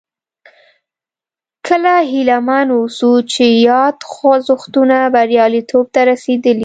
کله هیله مند واوسو چې یاد خوځښتونه بریالیتوب ته رسېدلي.